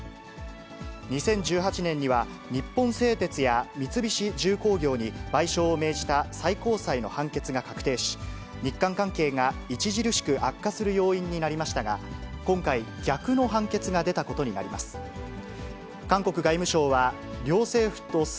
２０１８年には、日本製鉄や三菱重工業に賠償を命じた最高裁の判決が確定し、日韓関係が著しく悪化する要因になりましたが、今回、逆の判決が出たことになります。